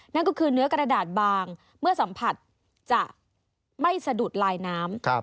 นั่นก็คือเนื้อกระดาษบางเมื่อสัมผัสจะไม่สะดุดลายน้ำ